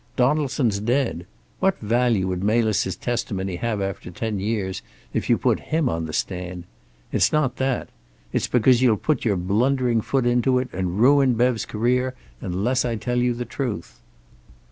Donaldson's dead. What value would Melis's testimony have after ten years, if you put him on the stand? It's not that. It's because you'll put your blundering foot into it and ruin Bev's career, unless I tell you the truth."